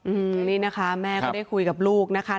อืมนี่นะคะแม่ก็ได้คุยกับลูกนะคะ